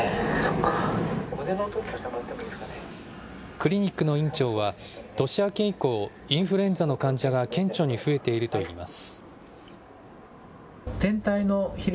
クリニックの院長は、年明け以降、インフルエンザの患者が顕著に増えているといいます。